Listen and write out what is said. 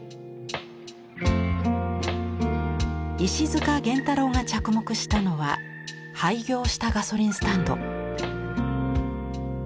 石塚元太良が着目したのは廃業したガソリンスタンド。